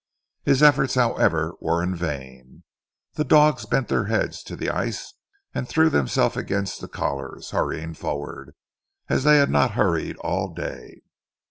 His efforts however, were in vain. The dogs bent their heads to the ice and threw themselves against the collars, hurrying forward, as they had not hurried all day.